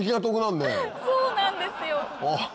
そうなんですよ。